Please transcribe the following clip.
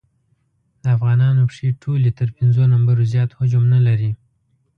د افغانانو پښې ټولې تر پېنځو نمبرو زیات حجم نه لري.